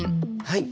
はい。